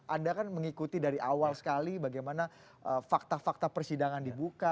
anda kan mengikuti dari awal sekali bagaimana fakta fakta persidangan dibuka